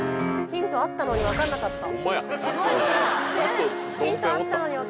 ヒントあったのに分かんなかった。